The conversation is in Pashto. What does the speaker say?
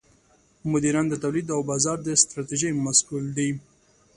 مدیران د تولید او بازار د ستراتیژۍ مسوول دي.